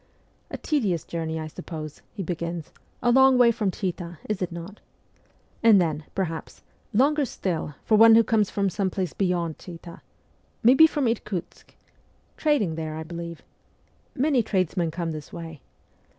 'A tedious journey, I suppose,' he begins; ' a long way from Chita, is it not ? And then, perhaps, longer still for one who comes from some place beyond Chita ? Maybe from Irkutsk ? Trading there, I believe? Many tradesmen come this way.